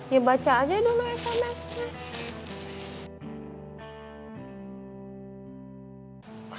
ya baca aja dulu sms nya